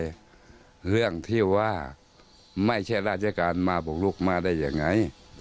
แต่เรื่องที่ว่าไม่ใช่ราชการมาบุกลุกมาได้ยังไง